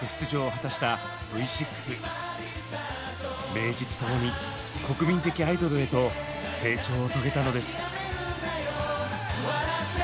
名実ともに国民的アイドルへと成長を遂げたのです。